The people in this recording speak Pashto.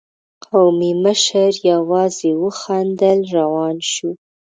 قومي مشر يواځې وخندل، روان شو.